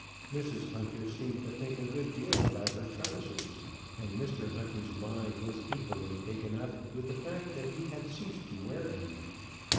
Mrs. Hunter seemed to think a good deal about her trousers, and Mr. Hunter's mind was equally taken up with the fact that he had ceased to wear any.